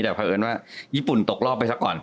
แต่เพราะเอิญว่าญี่ปุ่นตกรอบไปซะก่อน